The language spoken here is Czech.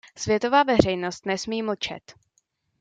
Světová veřejnost nesmí mlčet.